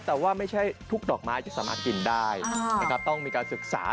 แต่ว่าไม่ใช่ทุกดอกไม้ที่สามารถกินได้นะครับต้องมีการศึกษา